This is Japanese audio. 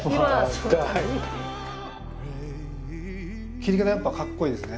切り方やっぱかっこいいですね。